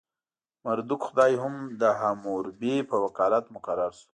مردوک خدای هم د حموربي په وکالت مقرر شو.